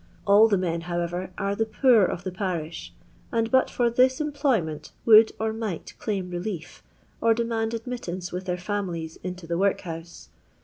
All the men, however, are the poor of the parish, and but for this employment would or might claim relief, or demand admittance with their families into the workhouse.